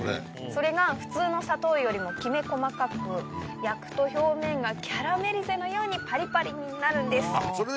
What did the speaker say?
それが普通の砂糖よりもきめ細かく焼くと表面がキャラメリゼのようにパリパリになるんです。